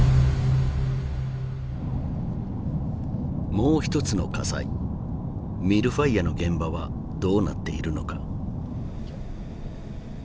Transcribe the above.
もう一つの火災ＭｉｌｌＦｉｒｅの現場はどうなっているのか。